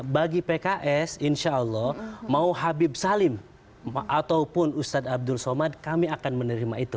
bagi pks insya allah mau habib salim ataupun ustadz abdul somad kami akan menerima itu